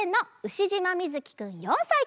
しじまみずきくん４さいから。